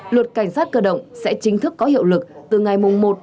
luật cảnh sát cơ động sẽ chính thức có hiệu lực từ ngày một một hai nghìn hai mươi ba